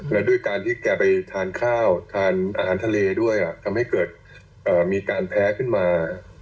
และด้วยการที่แกไปทานข้าวทานอาหารทะเลด้วยทำให้เกิดมีการแพ้ขึ้นมา